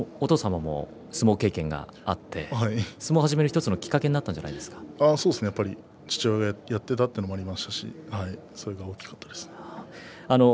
お父様も相撲経験があって相撲を始める１つのきっかけが父親がやっていたというのもありますしそれが大きかったですね。